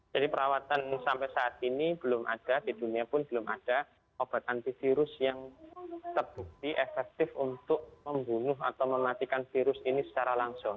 jadi perawatan sampai saat ini belum ada di dunia pun belum ada obat antivirus yang terbukti efektif untuk membunuh atau mematikan virus ini secara langsung